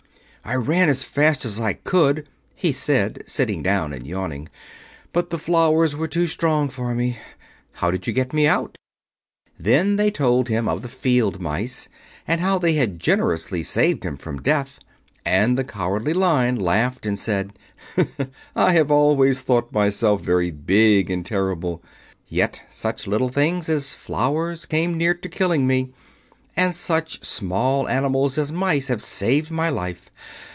"I ran as fast as I could," he said, sitting down and yawning, "but the flowers were too strong for me. How did you get me out?" Then they told him of the field mice, and how they had generously saved him from death; and the Cowardly Lion laughed, and said: "I have always thought myself very big and terrible; yet such little things as flowers came near to killing me, and such small animals as mice have saved my life.